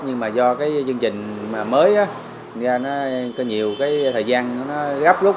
chương trình mới có nhiều thời gian gấp lúc